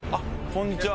こんにちは。